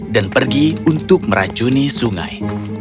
dan pergi untuk meracuni sungai